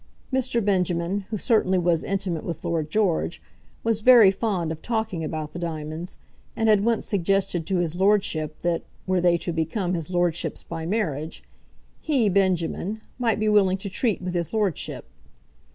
Mr. Benjamin, who certainly was intimate with Lord George, was very fond of talking about the diamonds, and had once suggested to his lordship that, were they to become his lordship's by marriage, he, Benjamin, might be willing to treat with his lordship.